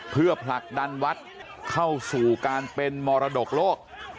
เพื่อผลักดันวัดเข้าสู่การเป็นมรดกโลก